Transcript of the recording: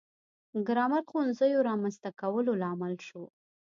د ګرامر ښوونځیو رامنځته کولو لامل شو.